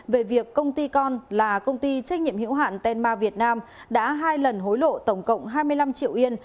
về việc công ty con là công ty trách nhiệm hiệu hạn tenma việt nam đã hai lần hối lộ tổng cộng hai mươi năm triệu yên